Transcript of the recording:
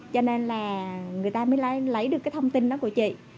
cho nên là người ta mới lấy được cái thông tin đó của chị